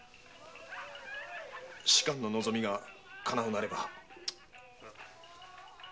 仕官の望みがかなうなれば。